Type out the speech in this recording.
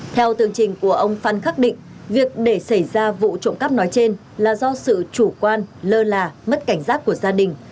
theo tường trình của ông phan khắc định việc để xảy ra vụ trộm cắp nói trên là do sự chủ quan lơ là mất cảnh giác của gia đình